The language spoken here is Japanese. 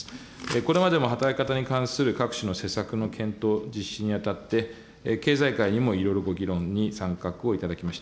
これまでも働き方に関する各種の施策の検討、実施にあたって、経済界にもいろいろご議論に参画をいただきました。